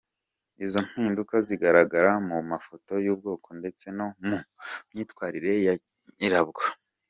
Izo mpinduka zigaragara mu mafoto y’ubwonko ndetse no mu myitwarire ya nyirabwo.